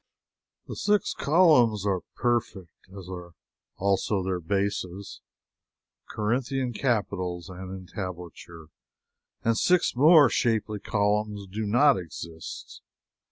The six columns are their bases, Corinthian capitals and entablature and six more shapely columns do not exist.